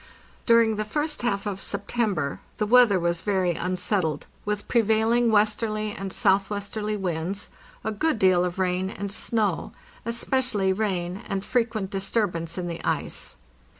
During the first half of September the weather was very un settled, with prevailing westerly and southwesterly winds, a good deal of rain and snow, especially rain, and frequent disturbance in the ice.